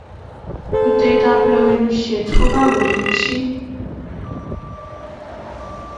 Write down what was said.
Betut ab Lewenishet ko kakoriik